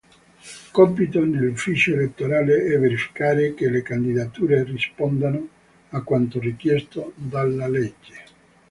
Compito dell'Ufficio elettorale è verificare che le candidature rispondano a quanto richiesto dalla legge.